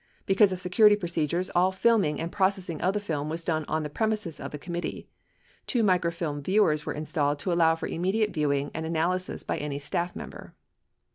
Because of security procedures all filming and processing of the film was done on the premises of the committee. Two microfilm viewers were installed to allow for immediate viewing and analysis by any staff member.